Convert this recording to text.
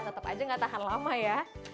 tetap aja gak tahan lama ya